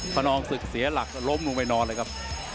ขนองศึกเสียหลักล้มลงไปนอนเลยครับ